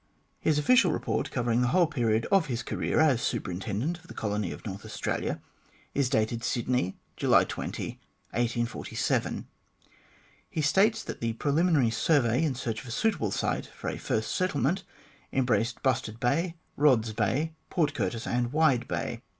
His official report, covering the whole period of his career as Superintendent of the colony of Xorth Australia, is dated Sydney, July 20, 1847. He states that the preliminary survey in search of a suitable site for a first settlement embraced Bustard Bay, Eodd's Bay, Port Curtis, and Wide Bay.